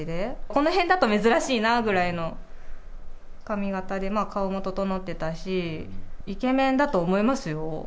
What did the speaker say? この辺だと珍しいなぐらいの髪形で、顔も整ってたし、イケメンだと思いますよ。